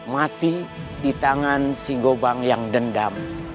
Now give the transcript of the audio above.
mati di tangan si gobang yang dendam